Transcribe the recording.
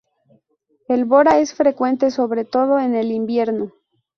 El bora es frecuente sobre todo en el invierno.